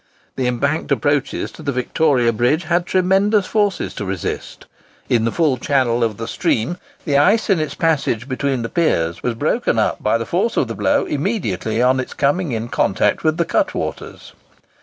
The embanked approaches to the Victoria Bridge had tremendous forces to resist. In the full channel of the stream, the ice in its passage between the piers was broken up by the force of the blow immediately on its coming in contact with the cutwaters.